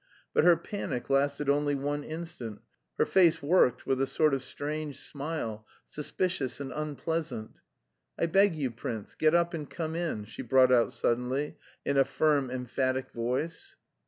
But her panic lasted only one instant, her face worked with a sort of strange smile, suspicious and unpleasant. "I beg you, prince, get up and come in," she brought out suddenly, in a firm, emphatic voice.